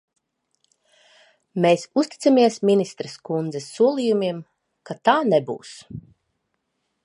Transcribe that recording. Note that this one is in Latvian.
Mēs uzticamies ministres kundzes solījumiem, ka tā nebūs.